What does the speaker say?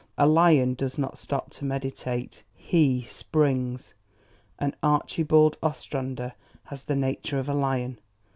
A lion does not stop to meditate; HE SPRINGS. And Archibald Ostrander has the nature of a lion.